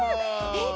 えっ？